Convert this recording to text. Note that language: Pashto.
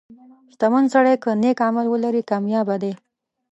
• شتمن سړی که نیک عمل ولري، کامیابه دی.